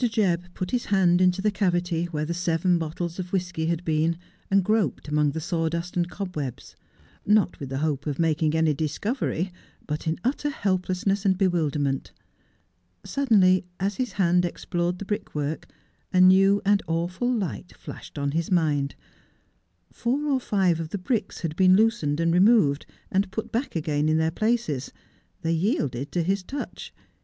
Jebb put his hand into the cavity where the seven bottles of whisky had been, and groped among the sawdust and cob webs ; not with the hope of making any discovery, but in utter helplessness and bewilderment. Suddenly, as his hand explored the brickwork, a new and awful light flashed on his mind. Four or five of the bricks had been loosened and removed, and put back again in their places. They yielded to his touch.